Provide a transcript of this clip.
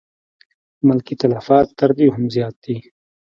ملکي تلفات تر دې هم زیات دي.